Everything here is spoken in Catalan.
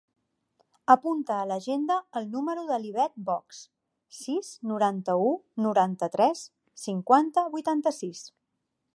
Apunta a l'agenda el número de l'Ivet Box: sis, noranta-u, noranta-tres, cinquanta, vuitanta-sis.